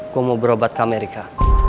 kamu mau berobat ke amerika